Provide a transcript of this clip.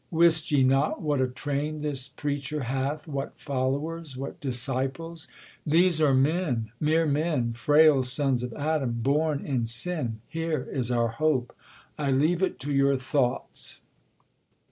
Wist ye not what a train this preacher hath, What followers, what disciples? These are men. Mere men, frail sons of Adam, born in sin. Jlsra is our hope. I leave it to your thoughts.